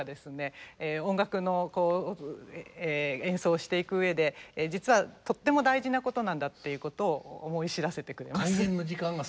音楽の演奏していく上で実はとっても大事なことなんだっていうことを思い知らせてくれます。